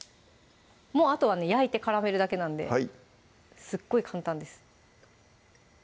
もうあとはね焼いて絡めるだけなんですっごい簡単です